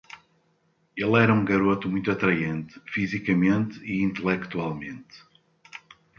Ele era um garoto muito atraente, fisicamente e intelectualmente.